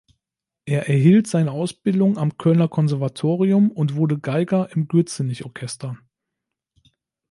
Er erhielt seine Ausbildung am Kölner Konservatorium und wurde Geiger im Gürzenich-Orchester.